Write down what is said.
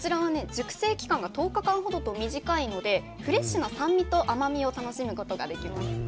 熟成期間が１０日間ほどと短いのでフレッシュな酸味と甘みを楽しむことができます。